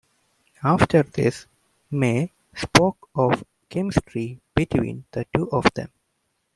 After this, May spoke of a chemistry between the two of them.